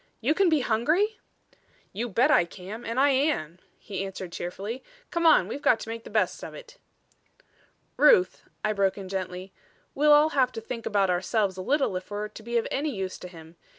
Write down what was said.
"You can be hungry?" "You bet I can and I am," he answered cheerfully. "Come on; we've got to make the best of it." "Ruth," I broke in gently, "we'll all have to think about ourselves a little if we're to be of any use to him.